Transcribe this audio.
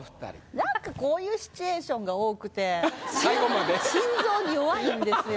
なんかこういうシチュエーションが多くて心臓に弱いんですよ